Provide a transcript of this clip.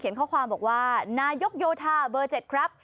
ข้อความบอกว่านายกโยธาเบอร์๗ครับ